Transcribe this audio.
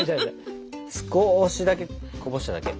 少しだけこぼしただけ。